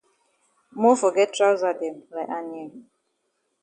Mofor get trousa dem like Anye.